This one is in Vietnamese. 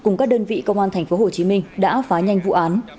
cùng các đơn vị công an tp hcm đã phá nhanh vụ án